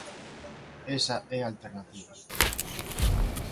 Esa é a alternativa.